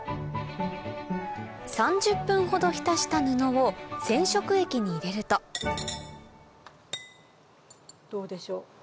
３０分ほど浸した布を染色液に入れるとどうでしょう。